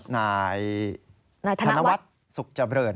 นายธนวัฒน์สุขเจริญ